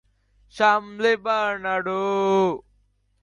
সামলে, বার্নার্ডো।